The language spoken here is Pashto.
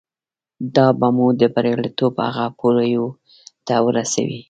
دا به مو د برياليتوب هغو پوړيو ته ورسوي.